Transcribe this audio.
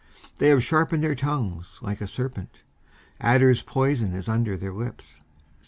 19:140:003 They have sharpened their tongues like a serpent; adders' poison is under their lips.